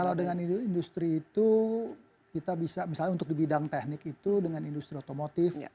kalau dengan industri itu kita bisa misalnya untuk di bidang teknik itu dengan industri otomotif